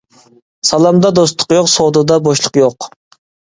سالامدا دوستلۇق يوق، سودىدا بوشلۇق يوق.